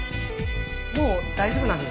もう大丈夫なので。